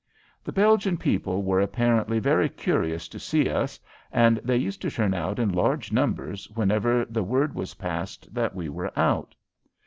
The Belgian people were apparently very curious to see us, and they used to turn out in large numbers whenever the word was passed that we were out.